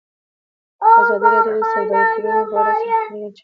ازادي راډیو د سوداګریز تړونونه په اړه څېړنیزې لیکنې چاپ کړي.